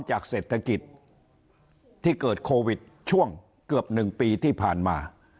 จากเศรษฐกิจที่เกิดโควิดช่วงเกือบ๑ปีที่ผ่านมา